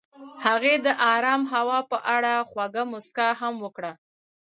هغې د آرام هوا په اړه خوږه موسکا هم وکړه.